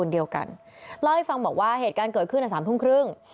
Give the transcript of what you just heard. เดียวกันเล่าให้ฟังบอกว่าเหตุการณ์เกิดขึ้น๓ทุ่มครึ่ง